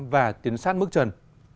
và tiến sát mức trần